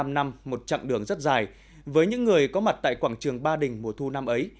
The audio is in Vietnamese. bảy mươi năm năm một chặng đường rất dài với những người có mặt tại quảng trường ba đình mùa thu năm ấy